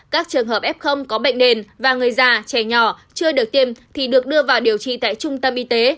các trường hợp f có bệnh nền và người già trẻ nhỏ chưa được tiêm thì được đưa vào điều trị tại trung tâm y tế